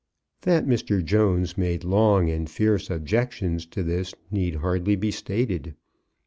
That Mr. Jones made long and fierce objections to this, need hardly be stated.